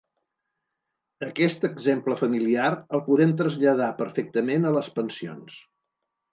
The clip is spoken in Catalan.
Aquest exemple familiar el podem traslladar perfectament a les pensions.